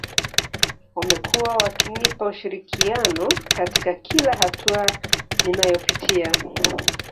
Wamekuwa wakinipa ushirikiano katika kila hatua ninayopitia